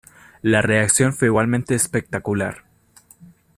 La reacción fue igualmente espectacular.